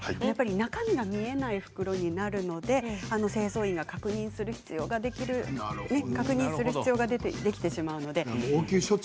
中身が見えない袋になるので清掃員が確認する必要ができてしまうので。